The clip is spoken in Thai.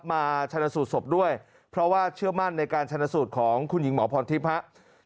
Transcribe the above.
ชนะสูตรศพด้วยเพราะว่าเชื่อมั่นในการชนะสูตรของคุณหญิงหมอพรทิพย์ครับ